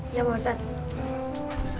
iya pak ustadz